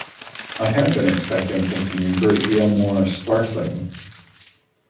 I had been expecting something a great deal more sparkling.